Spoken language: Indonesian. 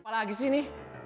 apa lagi sih ini